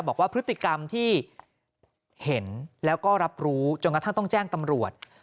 บอกว่าพฤติกรรมที่เห็นแล้วก็รับรู้จนกระทั่งต้องแจ้งตำรวจ